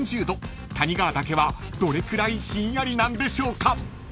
［谷川岳はどれくらいひんやりなんでしょうか］